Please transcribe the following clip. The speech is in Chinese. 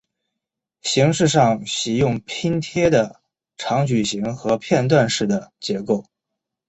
形式上喜用拼贴的长矩状和片段式的结构。